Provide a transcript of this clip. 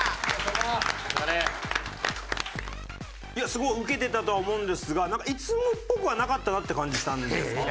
すごいウケてたとは思うんですがなんかいつもっぽくはなかったなって感じしたんですけど。